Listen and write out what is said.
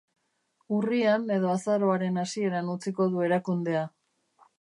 Urrian edo azaroaren hasieran utziko du erakundea.